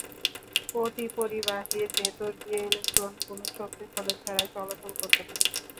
অতিপরিবাহীর ভেতর দিয়ে ইলেকট্রন কোনো শক্তি খরচ ছাড়াই চলাচল করতে পারে।